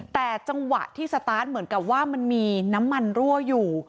แต่จังหวะที่สตาร์ทเหมือนกับว่ามันมีน้ำมันรั่วอยู่